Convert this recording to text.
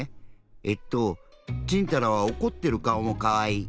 えっとちんたらはおこってる顔もかわいい。